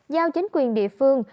giao chính quyền địa phương